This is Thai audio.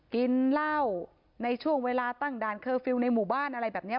กินเหล้าในช่วงเวลาตั้งด่านเคอร์ฟิลล์ในหมู่บ้านอะไรแบบนี้